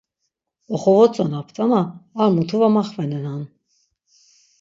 Oxovotzonapt ama ar mutu va maxvenenan.